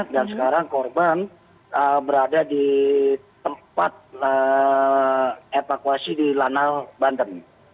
dan sekarang korban berada di tempat evakuasi di lanau banten